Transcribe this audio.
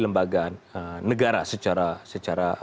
lembagaan negara secara